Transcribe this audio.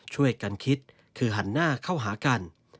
ช่วยกันคิดคือหันหน้าเข้าหากัน